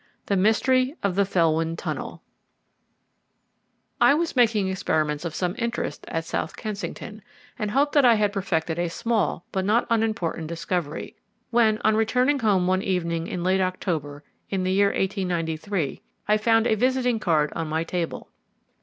III THE MYSTERY OF THE FELWYN TUNNEL I was making experiments of some interest at South Kensington, and hoped that I had perfected a small but not unimportant discovery, when, on returning home one evening in late October in the year 1893, I found a visiting card on my table.